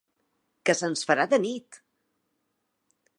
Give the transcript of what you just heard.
Que se'ns farà de nit!